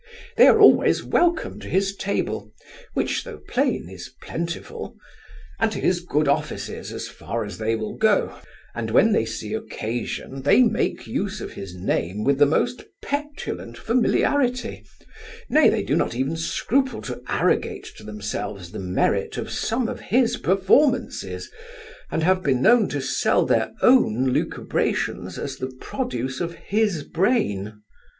They are always welcome to his table (which though plain, is plentiful) and to his good offices as far as they will go, and when they see Occasion, they make use of his name with the most petulant familiarity; nay, they do not even scruple to arrogate to themselves the merit of some of his performances, and have been known to sell their own lucubrations as the produce of his brain.